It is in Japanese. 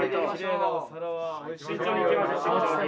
慎重にいきましょう慎重に。